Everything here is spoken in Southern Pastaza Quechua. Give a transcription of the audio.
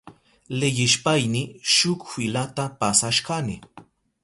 Leyishpayni shuk filata pasashkani.